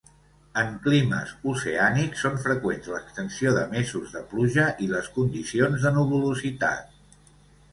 En climes oceànics són freqüents l'extensió de mesos de pluja i les condicions de nuvolositat.